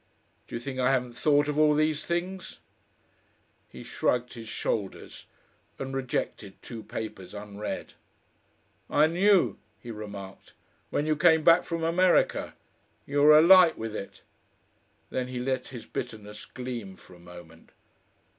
"Do you think I haven't thought of all these things?" He shrugged his shoulders, and rejected two papers unread. "I knew," he remarked, "when you came back from America. You were alight with it." Then he let his bitterness gleam for a moment.